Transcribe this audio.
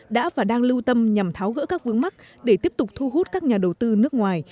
đã và đang lưu tâm nhằm tháo gỡ các vướng mắt để tiếp tục thu hút các nhà đầu tư nước ngoài